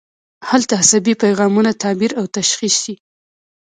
هلته عصبي پیغامونه تعبیر او تشخیص شي.